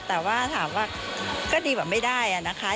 แต่ว่าถามว่าก็ดีกว่าไม่ได้อะนะคะ